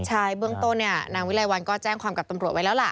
ใช่เบื้องต้นเนี่ยนางวิลัยวันก็แจ้งความกับตำรวจไว้แล้วล่ะ